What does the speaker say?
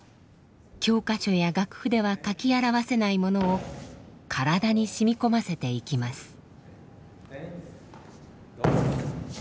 教科書や楽譜では書き表せないものを体に染み込ませていきます。